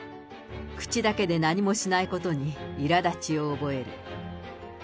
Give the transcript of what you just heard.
口だけで何もしないことにいらだちを覚える。